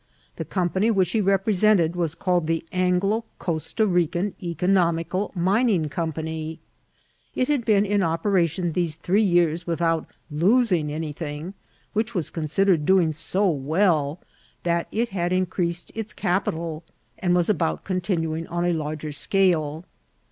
The Company which he represented was called the Anglo Costa Rican Economical Mining Company. It had been in opera^ tion these three years without losing anything, which was considered doing so well that it had increased its capital, and was about c<Hitinuing on a larger scale.